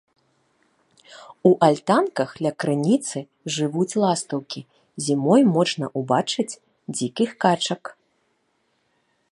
У альтанках ля крыніцы жывуць ластаўкі, зімой можна ўбачыць дзікіх качак.